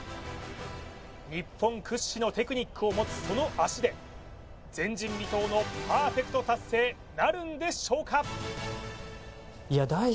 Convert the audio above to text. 日本屈指のテクニックを持つその足で前人未到のパーフェクト達成なるんでしょうか？